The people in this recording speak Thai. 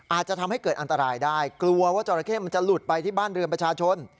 อาจจะทำให้เกิดอันตรายได้กลัวว่าจราเข้มันจะหลุดไปที่บ้านเรือนประชาชน